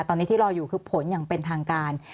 ตอนนี้ที่รออยู่คือผลอย่างเป็นทางการ